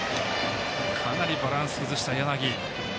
かなりバランス崩した、柳。